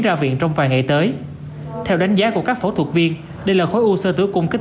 ra viện trong vài ngày tới theo đánh giá của các phẫu thuật viên đây là khối u sơ tử cung kích